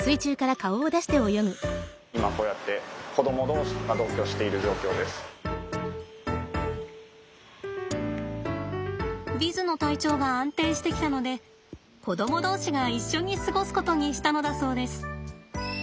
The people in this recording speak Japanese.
今こうやってヴィズの体調が安定してきたので子ども同士が一緒に過ごすことにしたのだそうです。